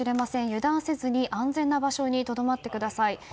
油断せずに安全な場所にとどまってください。